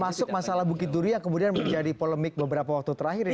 masuk masalah bukit duri yang kemudian menjadi polemik beberapa waktu terakhir ini